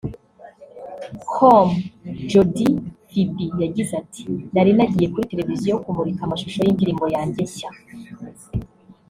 com Jody Phibi yagize ati”Nari nagiye kuri televiziyo kumurika amashusho y’indirimbo yanjye nshya